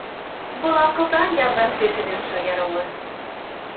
Был аҡылдан яҙған кешенең шаярыуы.